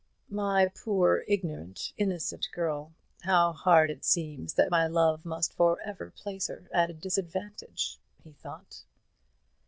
"My poor ignorant, innocent girl how hard it seems that my love must for ever place her at a disadvantage!" he thought.